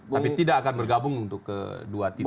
tapi tidak akan bergabung untuk kedua tim